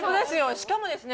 しかもですね